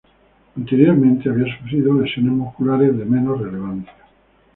Anteriormente había sufrido lesiones musculares de menos relevancia.